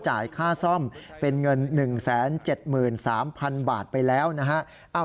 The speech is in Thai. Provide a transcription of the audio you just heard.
จ่ายค่าซ่อมเป็นเงิน๑๗๓๐๐๐บาทไปแล้วนะฮะ